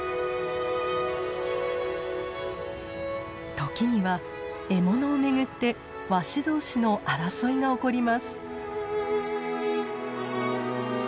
時には獲物を巡ってワシ同士の争いが起こります。